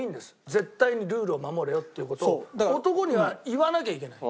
絶対にルールを守れよっていう事を男には言わなきゃいけない。